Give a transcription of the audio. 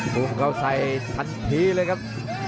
บุงเก้าใสทันทีเลยครับ